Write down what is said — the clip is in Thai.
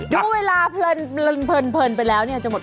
ดูเวลาเพลินไปแล้วเนี่ยจะหมดแล้วค่ะ